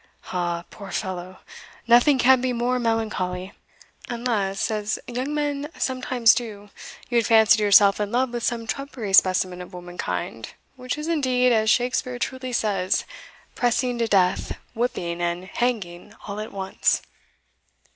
"Ah, poor fellow! nothing can be more melancholy; unless, as young men sometimes do, you had fancied yourself in love with some trumpery specimen of womankind, which is indeed, as Shakspeare truly says, pressing to death, whipping, and hanging all at once."